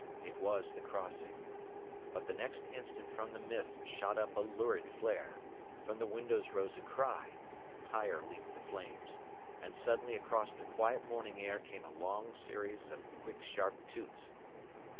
It was the crossing. But the next instant from the mist shot up a lurid flare. From the windows rose a cry. Higher leaped the flames. And suddenly across the quiet morning air came a long series of quick sharp toots.